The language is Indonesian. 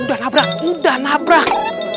udah nabrak udah nabrak